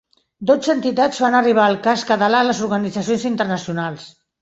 Dotze entitats fan arribar el cas català a les organitzacions internacionals